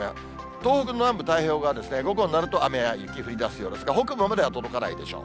東北の南部、太平洋側は午後になると、雨や雪降りだすようですが、北部までは届かないでしょう。